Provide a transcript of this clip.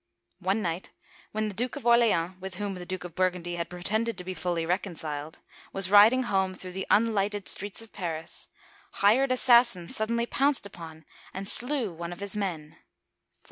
One night when the Duke of Orleans — with whom the Duke of Burgundy had pretended to be fully reconciled — was riding home through the unlighted streets of Paris, hired assassins suddenly pounced upon and slew one of his men (1407).